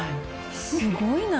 すごいな。